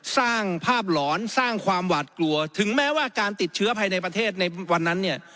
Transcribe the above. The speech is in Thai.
สร้างภาพหลอนสร้างความหวาดกลัวถึงแม้ว่าการติดเชื้อภายในประเทศในวันนั้นเนี่ย